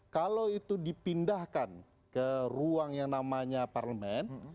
kalau itu dipindahkan ke ruang yang namanya parlemen